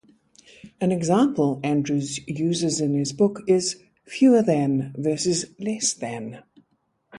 An example Andrews uses in his book is "fewer than" versus "less than".